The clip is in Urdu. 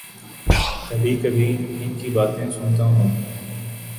کبھی کبھی ان کی باتیں سنتا ہوں۔